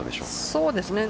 そうですね。